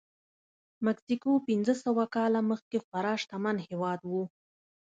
مکسیکو پنځه سوه کاله مخکې خورا شتمن هېواد و.